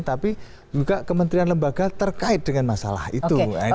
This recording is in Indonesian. tapi juga kementerian lembaga terkait dengan masalah itu